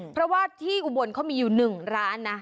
เพราะว่าที่อุบลเขามีอยู่๑ร้านนะ